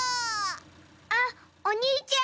あっおにいちゃん！